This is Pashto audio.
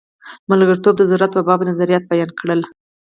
ملګرتوب د ضرورت په باب نظریات بیان کړل.